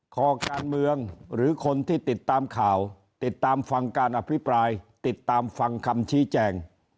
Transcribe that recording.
ขอการเมืองหรือคนที่ติดตามข่าวติดตามฟังการอภิปรายติดตามฟังคำชี้แจง